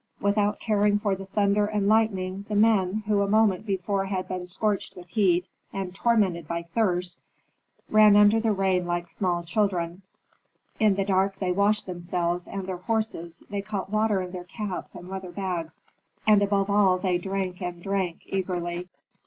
Without caring for the thunder and lightning the men, who a moment before had been scorched with heat, and tormented by thirst, ran under the rain like small children. In the dark they washed themselves and their horses, they caught water in their caps and leather bags, and above all they drank and drank eagerly.